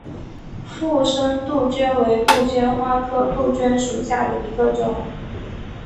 附生杜鹃为杜鹃花科杜鹃属下的一个种。